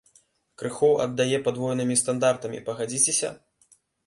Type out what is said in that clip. Крыху аддае падвойнымі стандартамі, пагадзіцеся?